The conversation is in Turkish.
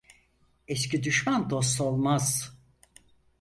Eski düşman dost olmaz.